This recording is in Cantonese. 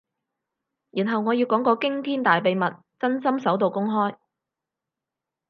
然後我要講個驚天大秘密，真心首度公開